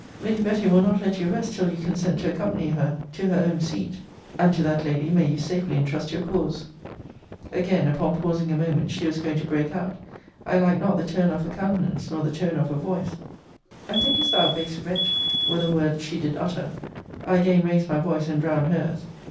] Lady Betty will not let you rest till you consent to accompany her to her own seat and to that lady may you safely intrust your cause. Again, upon my pausing a moment, she was going to break out. I liked not the turn of her countenance, nor the tone of her voice 'And thinkest thou, base wretch,' were the words she did utter: I again raised my voice, and drowned her's.